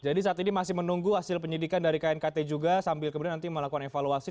jadi saat ini masih menunggu hasil penyidikan dari knkt juga sambil kemudian nanti melakukan evaluasi